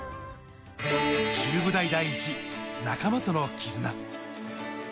中部大第一、仲間との絆。